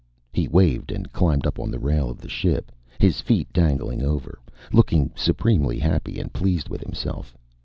He waved and climbed up on the rail of the ship, his feet dangling over, looking supremely happy and pleased with himself.